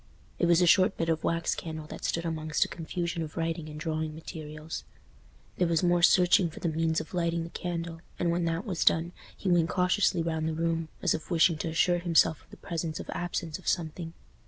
It was a short bit of wax candle that stood amongst a confusion of writing and drawing materials. There was more searching for the means of lighting the candle, and when that was done, he went cautiously round the room, as if wishing to assure himself of the presence or absence of something.